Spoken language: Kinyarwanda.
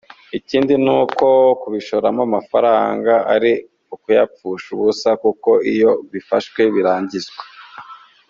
Ikindi ni uko kubishoramo amafaranga ari ukuyapfusha ubusa kuko iyo bifashwe birangizwa.